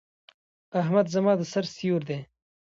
احمد زما د سر سيور دی.